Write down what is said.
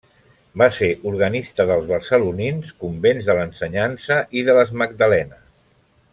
Va ser organista dels barcelonins convents de l'Ensenyança i de les Magdalenes.